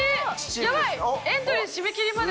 やばい、エントリー締め切りまで。